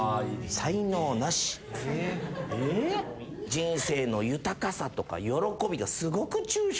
「人生の豊かさ」とか「喜び」とかすごく抽象的。